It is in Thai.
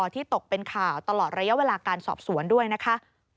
ที่ตกเป็นข่าวตลอดระยะเวลาการสอบสวนด้วยนะคะ